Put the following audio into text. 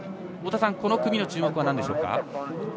太田さん、この組の注目はなんでしょうか？